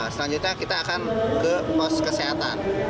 selanjutnya kita akan ke pos kesehatan